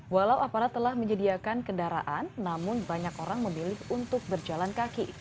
walau aparat telah menyediakan kendaraan namun banyak orang memilih untuk berjalan kaki